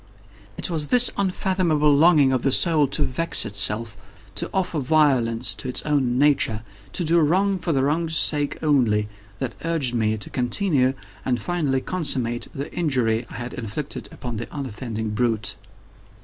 It was this unfathomable longing of the soul to vex itself—to offer violence to its own nature—to do wrong for the wrong's sake only—that urged me to continue and finally to consummate the injury I had inflicted upon the unoffending brute.